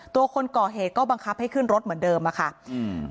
คนก่อเหตุก็บังคับให้ขึ้นรถเหมือนเดิมอ่ะค่ะอืม